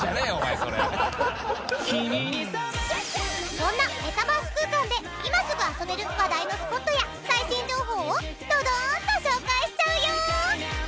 そんなメタバース空間で今すぐ遊べる話題のスポットや最新情報をドドーンと紹介しちゃうよ！